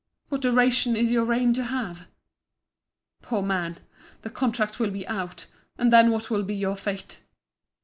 What duration is your reign to have? Poor man! The contract will be out: and then what will be your fate!